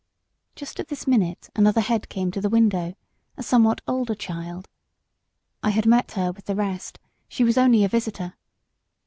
Just at this minute another head came to the window, a somewhat older child; I had met her with the rest; she was only a visitor.